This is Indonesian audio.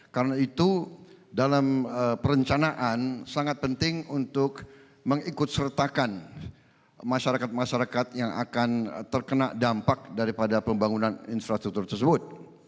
karena itu dalam perencanaan sangat penting untuk mengikut sertakan masyarakat masyarakat yang akan terkena dampak daripada pembangunan infrastruktur tersebut